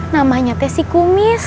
namanya tesi kumis